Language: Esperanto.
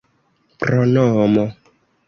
pronomo